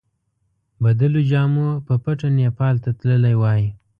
بدلو جامو په پټه نیپال ته تللی وای.